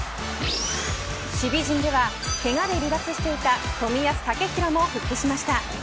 守備陣ではけがで離脱していた冨安健洋も復帰しました。